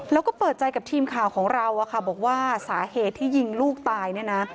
แล้วก็เปิดใจกับทีมข่าวของเราอะค่ะบอกว่าสาเหตุที่ยิงลูกตายเนี่ยนะ